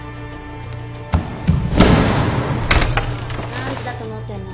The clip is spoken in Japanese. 何時だと思ってるの。